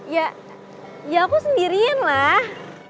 ya ya aku sendirian lah